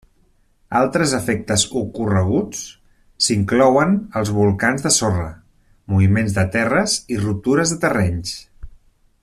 Altres efectes ocorreguts s'inclouen els volcans de sorra, moviments de terres i ruptures de terrenys.